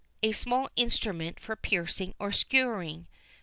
A small instrument for piercing or skewering.